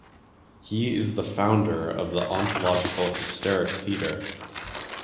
He is the founder of the Ontological-Hysteric Theater.